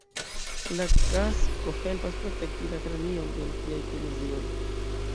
La kasko helpas protekti la kranion el tiaj kolizioj".